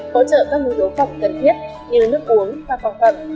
hỗ trợ các nguồn dấu phẩm cần thiết như nước uống và phòng phẩm